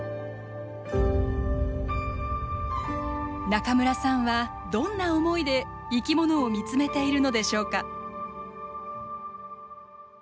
中村さんはどんな思いで生きものを見つめているのでしょうか。